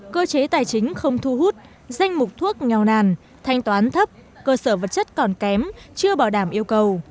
cơ chế tài chính không thu hút danh mục thuốc nghèo nàn thanh toán thấp cơ sở vật chất còn kém chưa bảo đảm yêu cầu